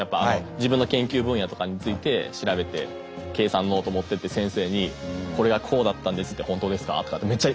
自分の研究分野とかについて調べて計算ノート持ってて先生に「これはこうだったんです」って「本当ですか？」とかってめっちゃ。